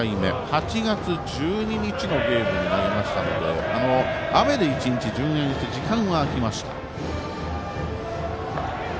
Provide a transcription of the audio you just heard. ８月１２日のゲームで投げましたので雨で１日順延して時間は開きました。